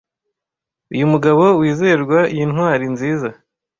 uyu mugabo wizerwa iyi ntwari nziza